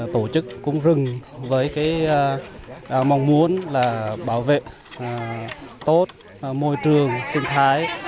tổ chức cúng rừng với mong muốn là bảo vệ tốt môi trường sinh thái